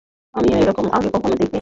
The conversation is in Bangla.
আমি এ রকম আগে কখনো দেখি নি।